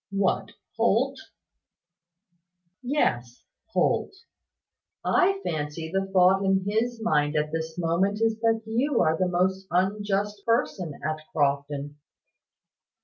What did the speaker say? "What, Holt?" "Yes, Holt. I fancy the thought in his mind at this moment is that you are the most unjust person at Crofton."